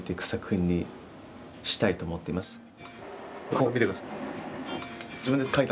ここ見て下さい。